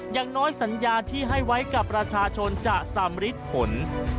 อย่างน้อยสัญญาที่ให้ไว้กับประชาชนจะสำริดผล